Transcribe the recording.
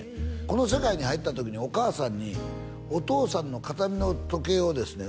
この世界に入った時にお母さんにお父さんの形見の時計をですね